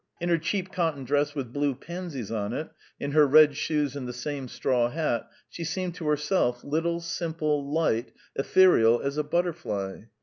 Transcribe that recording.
In her cheap cotton dress with blue pansies on it, in her red shoes and the same straw hat, she seemed to herself, little, simple, light, ethereal as a butterfly.